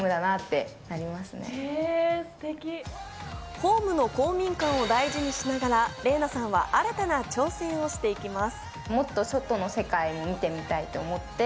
ホームの公民館を大事にしながら、ＲｅｉＮａさんは新たな挑戦をしていきます。